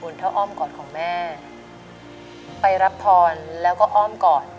บุญเท่าอ้อมกอดของแม่ไปรับทรรภ์แล้วก็อ้อมกอด